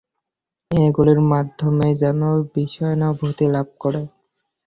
এইগুলির মাধ্যমেই মন বিষয়ানুভূতি লাভ করে।